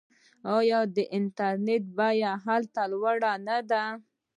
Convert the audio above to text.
آیا د انټرنیټ بیه هلته لوړه نه ده؟